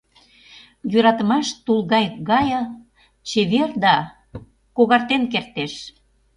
Йӧратымаш — тулгайык гае, Чевер, да когартен кертеш.